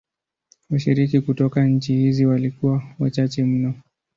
Washiriki kutoka nchi hizi walikuwa wachache mno.